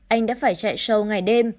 anh đã phải chạy show ngày đêm